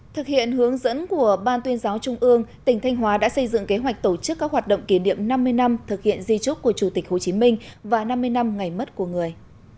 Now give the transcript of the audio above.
thực hiện hướng dẫn của ban tuyên giáo trung ương tỉnh thanh hóa đã xây dựng kế hoạch tổ chức các hoạt động kỷ niệm năm mươi năm thực hiện di trúc của chủ tịch hồ chí minh và năm mươi năm ngày mất của người